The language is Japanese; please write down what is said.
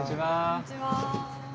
こんにちは。